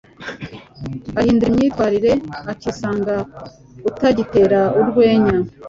uhindura imyitwarire, ukisanga utagitera urwenya,